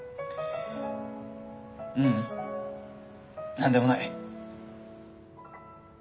ううん何でもない。